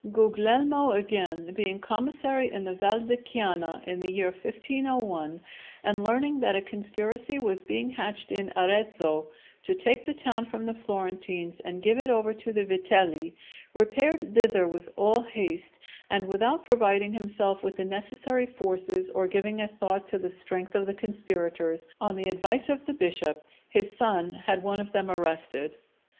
Guglielmo, again, being commissary in the Val di Chiana in the year 1501, and learning that a conspiracy was being hatched in Arezzo to take the town from the Florentines and give it over to the Vitelli, repaired thither with all haste; and without providing himself with the necessary forces or giving a thought to the strength of the conspirators, on the advice of the bishop, his son, had one of them arrested.